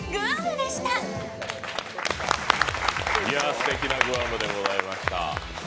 すてきなグアムでございました。